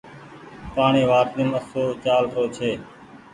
پآڻيٚ واٽريم چآلرو آسو ڇي